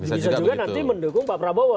bisa juga nanti mendukung pak prabowo